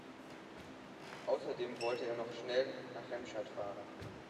Außerdem wollte er noch schnell nach Remscheid fahren